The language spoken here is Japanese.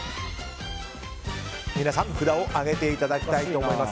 皆さん、札を上げていただきたいと思います。